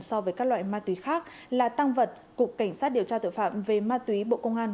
so với các loại ma túy khác là tăng vật cục cảnh sát điều tra tội phạm về ma túy bộ công an